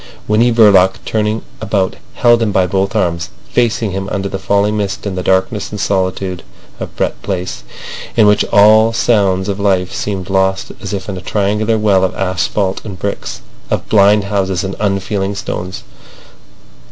Winnie Verloc turning about held him by both arms, facing him under the falling mist in the darkness and solitude of Brett Place, in which all sounds of life seemed lost as if in a triangular well of asphalt and bricks, of blind houses and unfeeling stones.